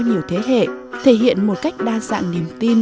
đồng bào tày có nhiều thế hệ thể hiện một cách đa dạng niềm tin